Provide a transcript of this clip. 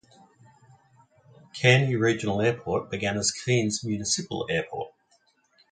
Kearney Regional Airport began as Keens Municipal Airport.